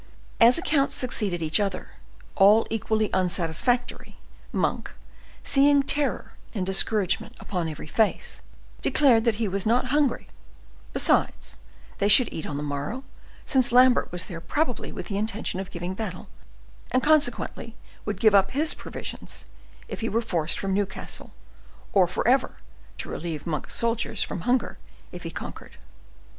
As accounts succeeded each other, all equally unsatisfactory, Monk, seeing terror and discouragement upon every face, declared that he was not hungry; besides, they should eat on the morrow, since Lambert was there probably with the intention of giving battle, and consequently would give up his provisions, if he were forced from Newcastle, or forever to relieve Monk's soldiers from hunger if he conquered.